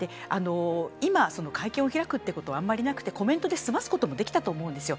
今、会見を開くということはあんまりなくてコメントで済ますこともできたと思うんですよ。